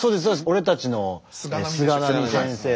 俺たちの菅波先生。